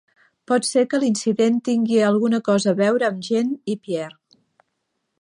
Pot ser que l'incident tingui alguna cosa a veure amb Jeanne i Pierre.